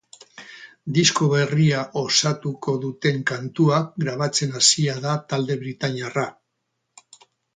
Disko berria osatuko duten kantuak grabatzen hasia da talde britainiarra.